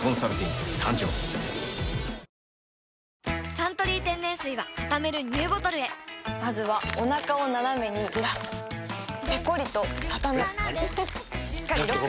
「サントリー天然水」はたためるＮＥＷボトルへまずはおなかをナナメにずらすペコリ！とたたむしっかりロック！